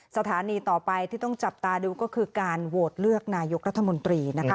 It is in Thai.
สถานีต่อไปที่ต้องจับตาดูก็คือการโหวตเลือกนายกรัฐมนตรีนะคะ